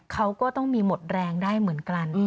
เขาก็ต้องมีหมดแรงได้เหมือนกัน